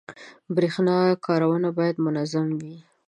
• د برېښنا کارونه باید منظم وي.